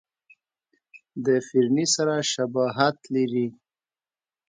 د فرني سره شباهت لري.